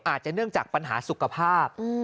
อาจจะเนื่องจากปัญหาสุขภาพ